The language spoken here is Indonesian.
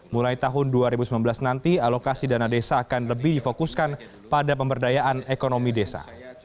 mulai tahun dua ribu sembilan belas nanti alokasi dana desa akan lebih difokuskan pada pemberdayaan ekonomi desa